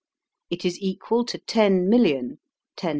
It is equal to ten million, 10^7, C.